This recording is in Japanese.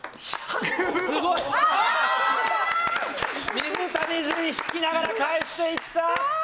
水谷隼が引きながら返していった！